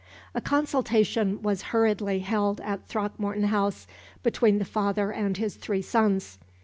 A consultation was hurriedly held at Throckmorton House, between the father and his three sons.